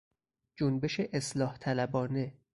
جنبش اصلاح طلبانه